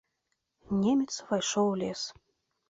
Немец увайшоў у лес.